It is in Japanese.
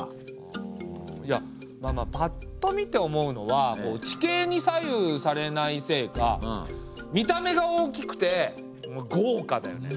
いやまあまあパッと見て思うのは地形に左右されないせいか見た目が大きくてごうかだよね。